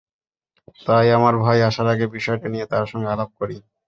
তাই আমার ভাই আসার আগে বিষয়টা নিয়ে তাঁর সঙ্গে আলাপ করি।